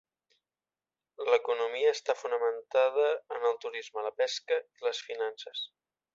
L'economia està fonamentada en el turisme, la pesca i les finances.